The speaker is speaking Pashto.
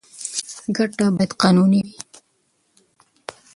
ګټه باید قانوني وي.